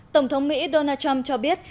tổng thống mỹ donald trump cho biết